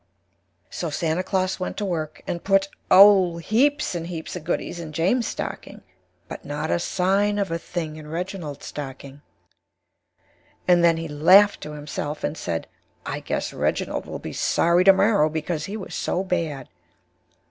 So Santa Claus went to Work and Put, Oh! heaps and Heaps of Goodies in James' stocking, but not a Sign of a Thing in Reginald's stocking. And then he Laughed to himself and Said I guess Reginald will be Sorry to morrow because he Was so Bad.